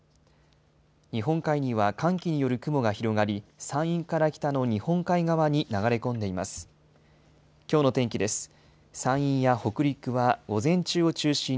日本海には寒気による雲が広がり、山陰から北の日本海側に流れ込んでいます。